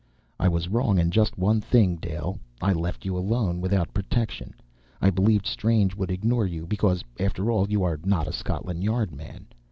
"I was wrong in just one thing, Dale. I left you alone, without protection. I believed Strange would ignore you, because, after all, you are not a Scotland Yard man.